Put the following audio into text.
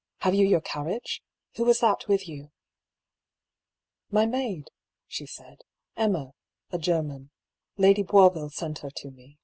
" Have you your carriage? Who was that with you ?"" My maid," she said. " Emma — ^a German. Lady Boisville sent her to me.